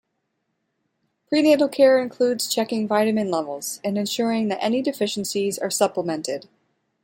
Pre-natal care includes checking vitamin levels and ensuring that any deficiencies are supplemented.